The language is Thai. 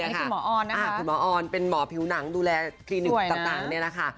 คุณหมอออนนะคะถ้าเห็นหมอออนเป็นหมอผิวหนังดูแลคลินิกต่างนี้นะคะ